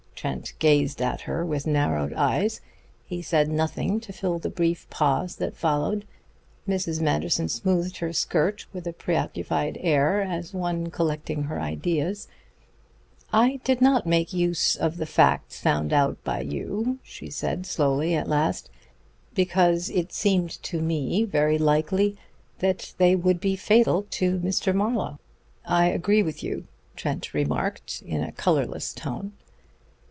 Trent gazed at her with narrowed eyes. He said nothing to fill the brief pause that followed. Mrs. Manderson smoothed her skirt with a preoccupied air, as one collecting her ideas. "I did not make any use of the facts found out by you," she slowly said at last, "because it seemed to me very likely that they would be fatal to Mr. Marlowe." "I agree with you," Trent remarked in a colorless tone.